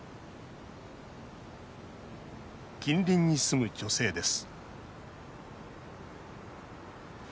近隣に住む女性です